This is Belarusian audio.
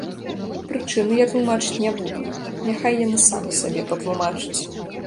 Прычыны я тлумачыць не буду, няхай яны самі сабе патлумачыць.